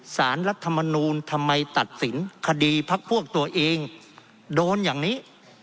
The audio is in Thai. สารรัฐมนูลทำไมตัดสินคดีพักพวกตัวเองโดนอย่างนี้